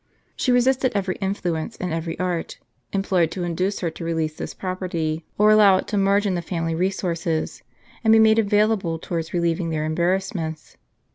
She resisted every influence, and every art, employed to induce her to release this property, or allow it to merge in the family resources, and be made available towards relieving their embarrassments.